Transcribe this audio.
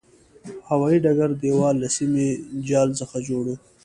هوایي ډګر دېوال له سیمي جال څخه جوړ و.